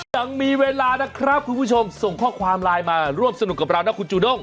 ยังมีเวลานะครับคุณผู้ชมส่งข้อความไลน์มาร่วมสนุกกับเรานะคุณจูด้ง